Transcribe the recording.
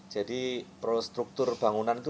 jadi prostruktur bangunan itu